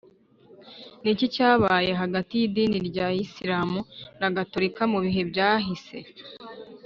ni iki cyabaye hagati y’idini rya isilamu na gatolika mu bihe byahise?